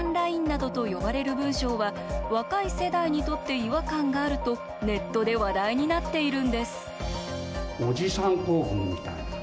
ＬＩＮＥなどと呼ばれる文章は若い世代にとって違和感があるとネットで話題になっているんです